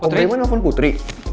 kamu ngapain sih nelfon putri